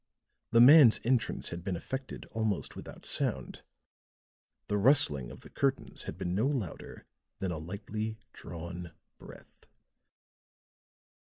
The man's entrance had been effected almost without sound; the rustling of the curtains had been no louder than a lightly drawn breath.